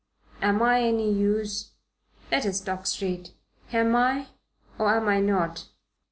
Am I any use? Let us talk straight. Am I or am I not?"